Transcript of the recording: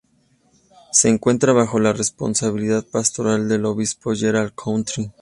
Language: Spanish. Se encuentra bajo la responsabilidad pastoral del obispo Gerard County.